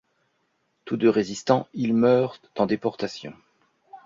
Tous deux résistants, ils meurent en déportation.